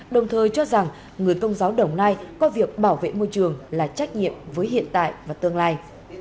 đồng thời cho rằng người công giáo đồng nai coi việc bảo vệ môi trường là trách nhiệm với hiện tại và tương lai